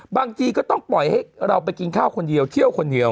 บางทีก็ต้องปล่อยให้เราไปกินข้าวคนเดียวเที่ยวคนเดียว